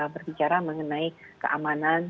berbicara mengenai keamanan